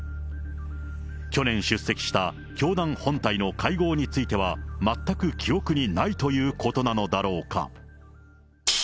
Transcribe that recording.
去年出席した、教団本体の会合については、全く記憶にないということなのだろうか。